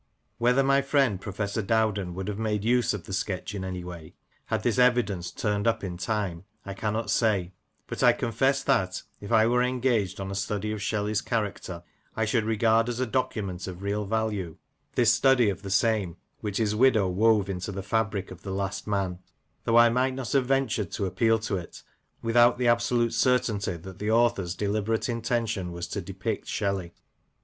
Whether my friend Professor Dowden would have made use of the sketch in any way, had this evidence turned up in time, I cannot say ; but I confess that, if I were engaged on a study of Shelley's character, I should regard as a document of real value this study of the same which his widow wove into the fabric of The Last Man, though I might not have ventured to appeal to it without the absolute certainty that the author's deliberate intention was to depict Shelley.